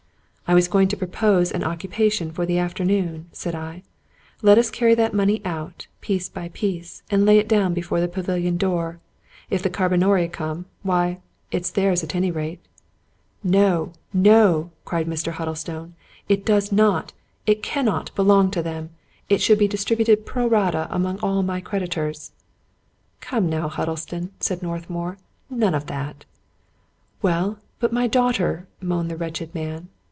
" I was going to propose an occupation for the afternoon," said I. " Let us carry that money out, piece by piece, and lay it down before the pavilion door. If the carbonari come, why, it's theirs at any rate." " No, no," cried Mr. Huddlestone ;*' it does not, it can 193 Scotch Mystery Stories not, belong to them ! It should be distributed pro rata among all my creditors." " Come now, Huddlestone," said Northmour, " none of that." " Well, but my daughter," moaned the wretched man.